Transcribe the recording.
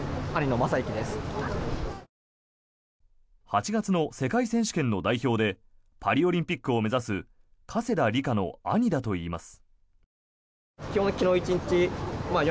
８月の世界選手権の代表でパリオリンピックを目指す加世田梨花の兄だといいます。